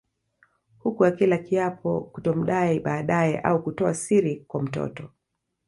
Huku akila kiapo kutomdai baadae au kutoa siri kwa mtoto